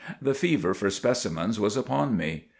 The fever for specimens was upon me.